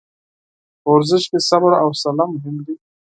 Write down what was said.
په ورزش کې صبر او حوصله مهم دي.